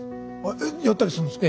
えっやったりするんですか？